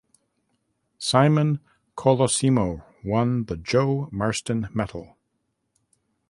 Simon Colosimo won the Joe Marston Medal.